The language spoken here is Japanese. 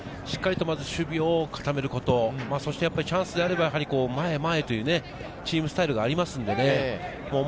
しっかりと守備を固めること、そしてチャンスであれば前へ前へとチームスタイルがありますからね。